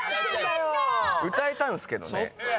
歌えたんすけどね。